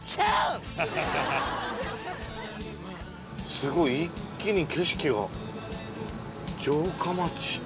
すごい一気に景色が城下町。